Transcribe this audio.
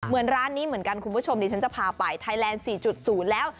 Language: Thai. เหมือนร้านนี้เหมือนกันคุณผู้ชมดิฉันจะพาไปไทยแลนด์๔๐แล้ว